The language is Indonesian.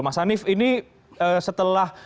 mas hanif ini setelah